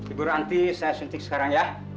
ibu ranti saya suntik sekarang ya